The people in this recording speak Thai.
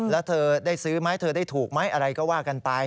แล้วเธอได้ซื้อไหมเธอได้ถูกไหมอะไรก็ว่ากันไป